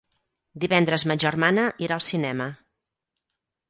Divendres ma germana irà al cinema.